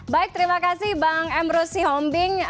baik terima kasih bang emrus sihombing